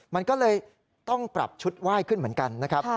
มันก็เลยต้องปรับชุดไหว้ขึ้นเหมือนกันนะครับ